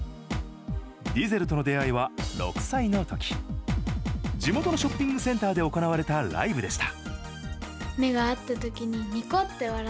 ディゼルとの出会いは６歳の時地元のショッピングセンターで行われたライブでした。